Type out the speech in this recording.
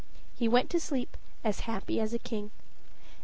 He went to sleep as happy as a king.